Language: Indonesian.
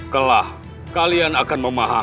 telah kalian akan memahami